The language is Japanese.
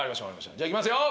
じゃあいきますよ！